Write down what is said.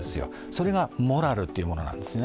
それがモラルというものなんですね。